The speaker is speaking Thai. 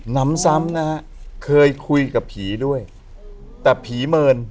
น้ำซ้ำนะฮะเคยคุยกับผีด้วยแต่ผีเมิน